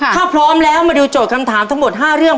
ถ้าพร้อมแล้วมาดูโจทย์คำถามทั้งหมด๕เรื่อง